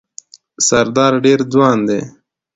سردار ډېر ځوان دی.